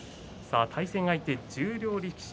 対戦相手は十両力士。